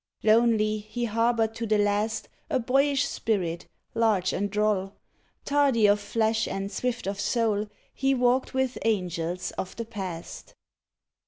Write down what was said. Lonely, he harbored to the last A boyish spirit, large and droll; Tardy of flesh and swift of soul. He walked with angels of the Past.